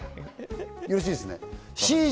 よろしいですね？